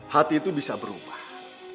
hati itu bisa berubah